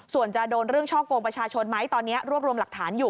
ส่วนจะโดนเรื่องช่อกงประชาชนไหมตอนนี้รวบรวมหลักฐานอยู่